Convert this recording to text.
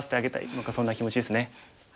何かそんな気持ちですね。